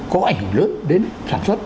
có ảnh lớn đến sản xuất